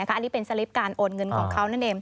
อันนี้เป็นสลิปการโอนเงินของเขานั่นเอง